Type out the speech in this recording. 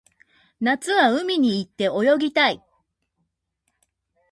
夏は海に行って泳ぎたい